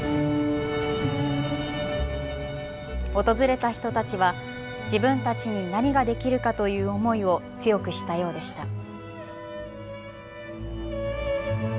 訪れた人たちは自分たちに何ができるかという思いを強くしたようでした。